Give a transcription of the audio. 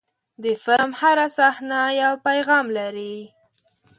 د فلم هره صحنه یو پیغام لري.